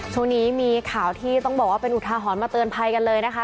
ช่วงนี้มีข่าวที่ต้องบอกว่าเป็นอุทาหรณ์มาเตือนภัยกันเลยนะคะ